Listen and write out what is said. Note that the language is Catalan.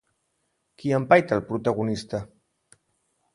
Qui empaita al protagonista?